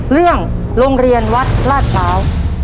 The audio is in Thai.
เรื่องโรงเรียนวัดลาดพร้าว